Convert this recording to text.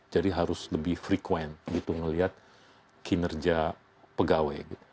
jadi harus lebih frequent gitu melihat kinerja pegawai